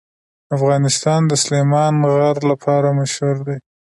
افغانستان د سلیمان غر لپاره مشهور دی.